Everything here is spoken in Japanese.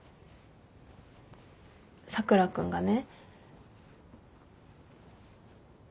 佐倉君がね。